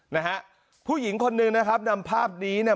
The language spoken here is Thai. นะฮะผู้หญิงคนหนึ่งนะครับนำภาพนี้เนี่ย